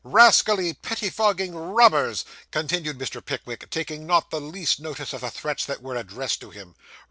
' Rascally, pettifogging robbers!' continued Mr. Pickwick, taking not the least notice of the threats that were addressed to him.